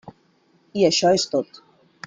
I això és tot.